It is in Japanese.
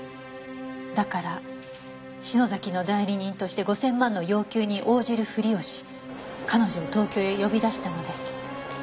「だから篠崎の代理人として５０００万の要求に応じるふりをし彼女を東京へ呼び出したのです」